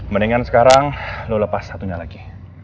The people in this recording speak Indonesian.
mendingan sekarang lo lepas satunya lagi